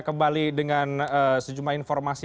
kembali dengan sejumlah informasi